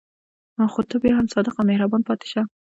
خو ته بیا هم صادق او مهربان پاتې شه.